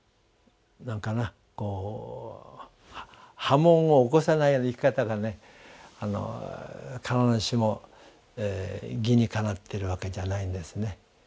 波紋を起こさないような生き方が必ずしも義にかなってるわけじゃないんですね。